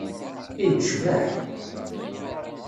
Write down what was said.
Ay yecbeḥ!